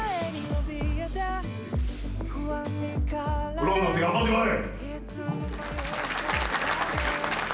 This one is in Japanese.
プロになって頑張ってこい。